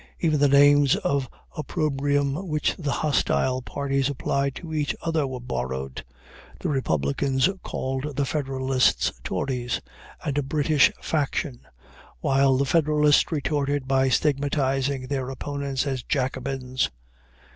Even the names of opprobrium which the hostile parties applied to each other were borrowed. The Republicans called the Federalists "Tories" and a "British faction," while the Federalists retorted by stigmatizing their opponents as Jacobins.